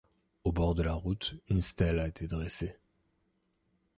Au bord de la route, une stèle a été dressée.